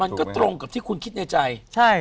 ตรงกับที่คุณคิดในใจใช่